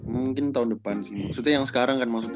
mungkin tahun depan sih maksudnya yang sekarang kan maksudnya